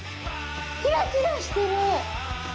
キラキラしてる！